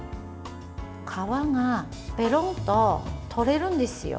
皮がペロンと取れるんですよ。